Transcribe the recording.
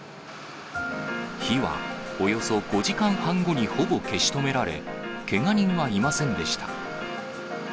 火はおよそ５時間半後にほぼ消し止められ、けが人はいませんでした。